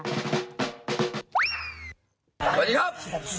สวัสดีครับ